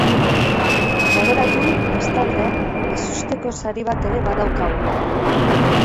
Gogoratu, bestalde, ezusteko sari bat ere badaukagula.